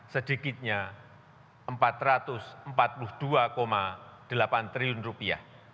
sedikitnya rp empat ratus empat puluh dua delapan triliun